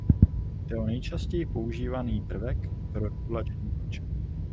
Jde o nejčastěji používaný prvek pro regulační tyče.